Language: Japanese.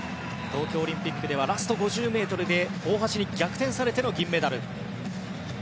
東京オリンピックではラスト５０ｍで大橋に逆転されての銀メダル。